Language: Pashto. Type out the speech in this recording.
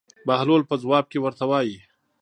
بهلول په ځواب کې ورته وایي.